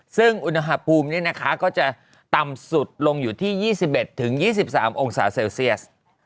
ซึ่งอุณหภูมิก็จะต่ำสุดลงอยู่ที่๒๑๒๓องศาเซลเซียส